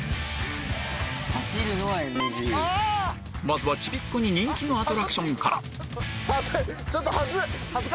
まずはちびっ子に人気のアトラクションから